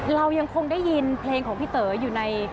เรายังคงได้ยินเพลงของพี่เต๋ออยู่ใน